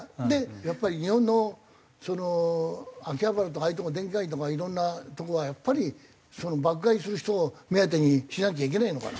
やっぱり日本の秋葉原とかああいうとこの電気街とか色んな所はやっぱり爆買いする人を目当てにしなきゃいけないのかな。